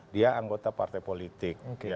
dia anggota partai politik